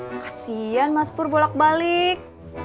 kasian mas pur bolak balik